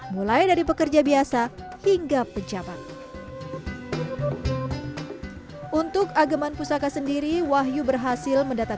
mulai dari pekerja biasa hingga pejabat untuk ageman pusaka sendiri wahyu berhasil mendata